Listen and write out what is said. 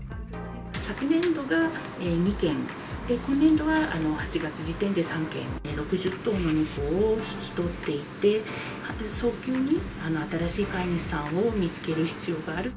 昨年度が２件、今年度は８月時点で３件、６０頭の猫を引き取っていて、早急に新しい飼い主さんを見つける必要がある。